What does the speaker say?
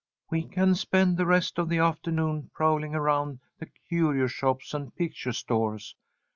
We can spend the rest of the afternoon prowling around the curio shops and picture stores.